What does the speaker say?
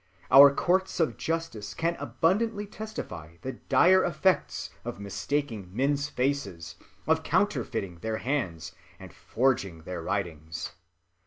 Our Courts of Justice can abundantly testify the dire Effects of Mistaking Men's Faces, of counterfeiting their Hands, and forging Writings.